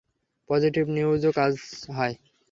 Positive নিউজেও কাজ হয়।